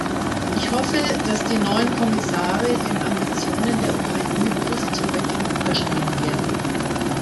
Ich hoffe, dass die neuen Kommissare den Ambitionen der Ukraine positiver gegenüberstehen werden.